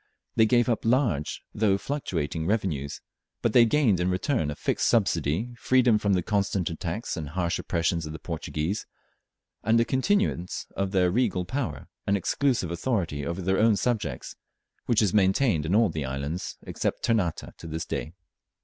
They gave up large though fluctuating revenues, but they gained in return a fixed subsidy, freedom from the constant attacks and harsh oppressions of the Portuguese, and a continuance of their regal power and exclusive authority over their own subjects, which is maintained in all the islands except Ternate to this day.